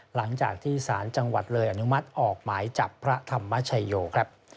หลังจากที่สารจังหวัดเลยอนุมัติออกหมายจับพระธรรมชัยโยครับ